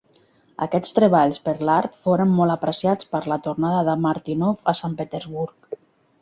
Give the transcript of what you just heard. Aquests treballs per a l'art foren molt apreciats per la tornada de Martynov a Sant Petersburg.